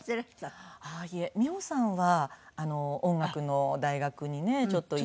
いえ美穂さんは音楽の大学にねちょっと行っていたので。